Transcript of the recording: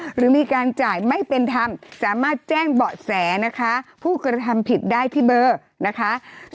หรือมีการจ่ายไม่เป็นธรรมสามารถแจ้งเบาะแสนะคะผู้กระทำผิดได้ที่เบอร์นะคะ